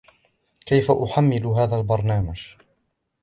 كيف احمل هذا البرنامج ؟